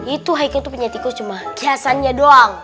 itu aika punya tikus cuma kiasannya doang